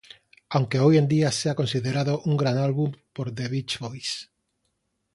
Aunque hoy en día sea considerado un gran álbum por The Beach Boys.